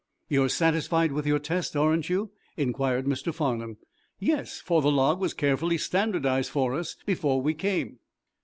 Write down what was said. "You're satisfied with your test, aren't you?" inquired Mr. Farnum. "Yes, for the log was carefully standardized for us before we came."